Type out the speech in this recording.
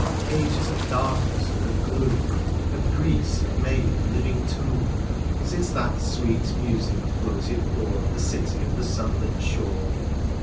Ages of darkness and of gloom Of Greece have made a living tomb. Since diat sweet music floated o'er The city of the sunlit shore.